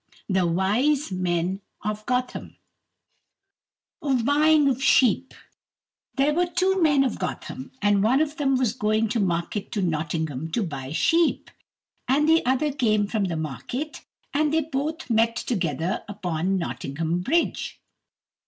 The Wise Men of Gotham Of Buying of Sheep There were two men of Gotham, and one of them was going to market to Nottingham to buy sheep, and the other came from the market, and they both met together upon Nottingham bridge.